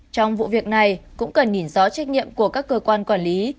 trong vụ việc này cũng cần nhìn rõ trách nhiệm của các cơ quan quản lý